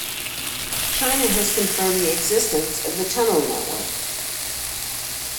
China has confirmed the existence of the tunnel network.